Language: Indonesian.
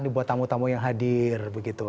buat tamu tamu yang hadir begitu